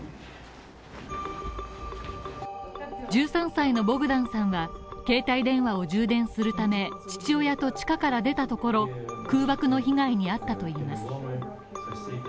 １３歳のボグダンさんは携帯電話を充電するため父親と地下から出たところ空爆の被害に遭ったといいます。